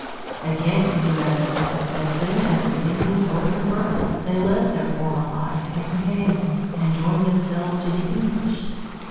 Again, he noticed that, as soon as the Indians were converted, they left their former life and companions and joined themselves to the English.